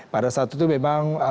pada saat itu memang